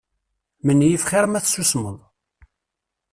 Menyif xir ma tessusmeḍ.